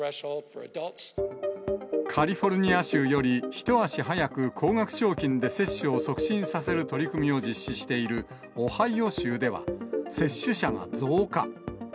カリフォルニア州より一足早く高額賞金で接種を促進させる取り組みを実施しているオハイオ州では、接種者が増加。